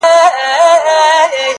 وروڼه له وروڼو څخه بیریږي؛